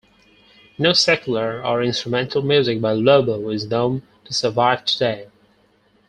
No secular or instrumental music by Lobo is known to survive today.